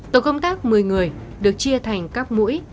tổ công tác một mươi người được chia thành các mũi